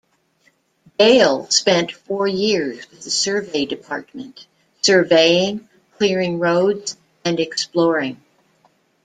Dale spent four years with the Survey Department, surveying, clearing roads and exploring.